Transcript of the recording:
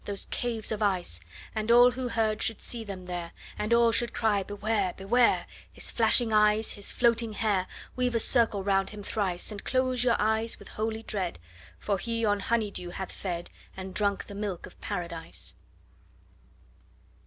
those caves of ice! And all who heard should see them there, And all should cry, Beware! Beware! His flashing eyes, his floating hair! 50 Weave a circle round him thrice, And close your eyes with holy dread, For he on honey dew hath fed, And drunk the milk of Paradise.